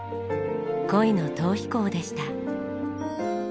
恋の逃避行でした。